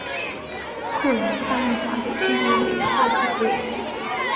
后来他任华北政务委员会委员。